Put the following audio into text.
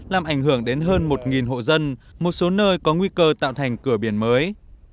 làm ảnh hưởng đến hơn một hộ dân một số nơi có nguy cơ tạo thành cửa biển mới